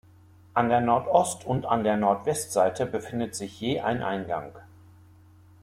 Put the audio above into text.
An der Nordost- und an der Nordwestseite befindet sich je ein Eingang.